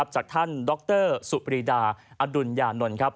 จากท่านดรสุปรีดาอดุญญานนท์